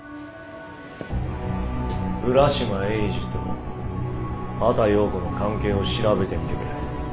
浦島エイジと畑葉子の関係を調べてみてくれ。